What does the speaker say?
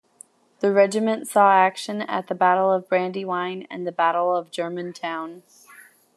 The regiment saw action at the Battle of Brandywine and Battle of Germantown.